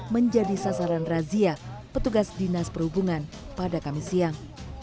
menjadi sasaran razia petugas dinas perhubungan pada kamis siang